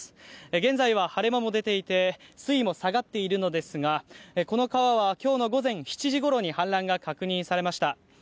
現在は晴れ間も出ていて水位も下がっているのですがこの川は今日の午前７時ごろに氾濫が確認されました。